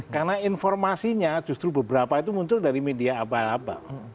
karena informasinya justru beberapa itu muncul dari media abal abal